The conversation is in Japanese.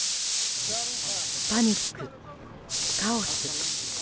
パニック、カオス。